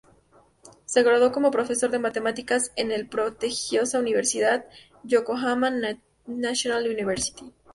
Se graduó como profesor de matemáticas en en la prestigiosa Universidad Yokohama National University.